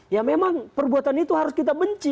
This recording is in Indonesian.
ya memang perbuatan itu harus kita benci